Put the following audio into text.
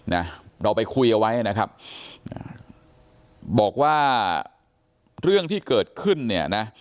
นะเราไปคุยเอาไว้นะครับอ่าบอกว่าเรื่องที่เกิดขึ้นเนี่ยนะ